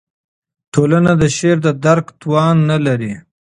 ټولنه د شعر د درک توان نه لري.